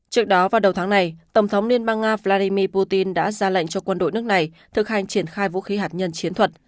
trước đó vào đầu tháng này tổng thống liên bang nga vladimir putin đã ra lệnh cho quân đội nước này thực hành triển khai vũ khí hạt nhân chiến thuật